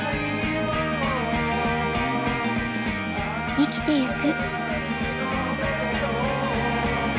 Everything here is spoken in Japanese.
生きてゆく。